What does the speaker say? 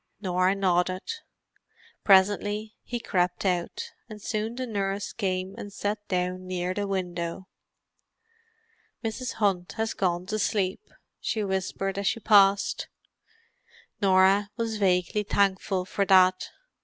Norah nodded. Presently he crept out; and soon the nurse came and sat down near the window. "Mrs. Hunt has gone to sleep," she whispered as she passed. Norah was vaguely thankful for that.